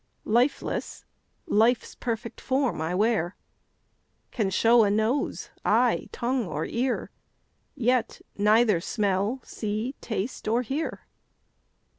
Lifeless, life's perfect form I wear, Can show a nose, eye, tongue, or ear, Yet neither smell, see, taste, or hear.